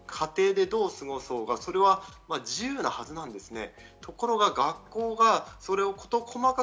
家庭でどう過ごそうが、それは自由なはずなんですね。